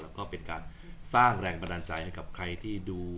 แล้วก็เป็นการสร้างแรงบันดาลใจให้กับใครที่ดู